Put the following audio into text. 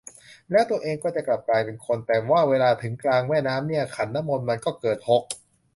แล้วตัวเองก็จะกลับกลายเป็นคน แต่ว่าเวลาถึงกลางแม่น้ำเนี่ยขันน้ำมนต์มันก็เกิดหก